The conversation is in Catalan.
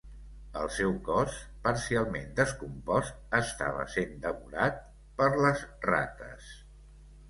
El seu cos parcialment descompost estava sent devorat per les rates.